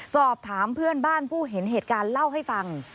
สอบถามเพื่อนบ้านผู้เห็นเหตุการณ์เล่าให้ฟัง